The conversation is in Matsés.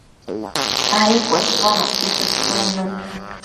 ai cuesbonocqui petuidnun